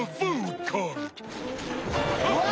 うわ！